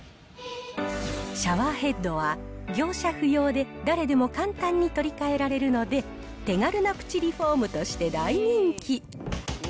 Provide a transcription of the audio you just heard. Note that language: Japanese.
シャワーヘッドは、業者不要で誰でも簡単に取り替えられるので、手軽なプチリフォームとして大人気。